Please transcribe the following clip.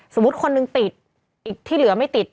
สมมุติคนหนึ่งติดอีกที่เหลือไม่ติด